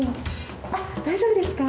あっ大丈夫ですか？